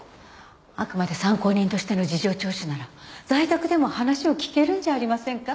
あくまで参考人としての事情聴取なら在宅でも話を聞けるんじゃありませんか？